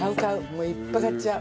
もういっぱい買っちゃう。